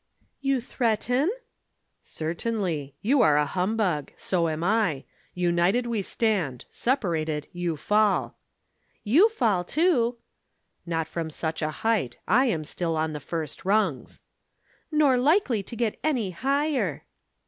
"You threaten?" "Certainly. You are a humbug. So am I. United we stand. Separated, you fall." "You fall, too." "Not from such a height. I am still on the first rungs." "Nor likely to get any higher."